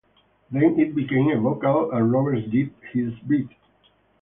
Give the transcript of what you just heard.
Then it became a vocal and Robert did his bit.